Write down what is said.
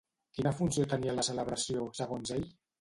Quina funció tenia la celebració, segons ell?